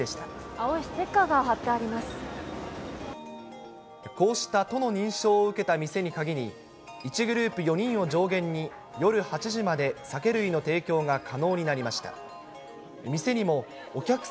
青いステッカーが貼ってありこうした都の認証を受けた店に限り、１グループ４人を上限に夜８時まで酒類の提供が可能になりました。